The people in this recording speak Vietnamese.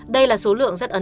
đây là số lượng dịch bệnh